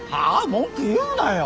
文句言うなよ。